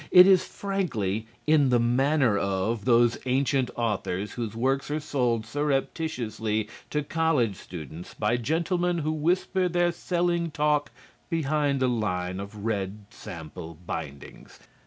It is frankly "in the manner of" those ancient authors whose works are sold surreptitiously to college students by gentlemen who whisper their selling talk behind a line of red sample bindings.